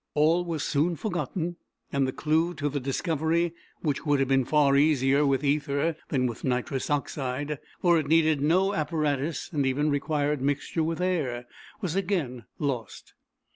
All was soon forgotten, and the clue to the discovery, which would have been far easier with ether than with nitrous oxide, for it needed no apparatus and even required mixture with air, was again lost.